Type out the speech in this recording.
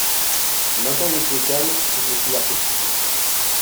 Mais maintenant que je suis au calme, je vais pouvoir t’expliquer.